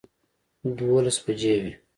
دولس بجې وې